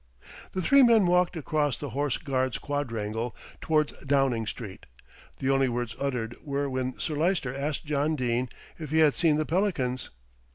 The three men walked across the Horse Guards Quadrangle towards Downing Street. The only words uttered were when Sir Lyster asked John Dene if he had seen the pelicans.